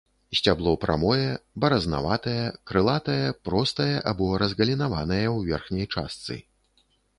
Сцябло прамое, баразнаватае, крылатае, простае або разгалінаванае ў верхняй частцы.